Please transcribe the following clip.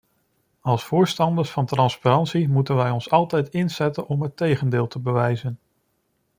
Als voorstanders van transparantie moeten wij ons altijd inzetten om het tegendeel te bewijzen.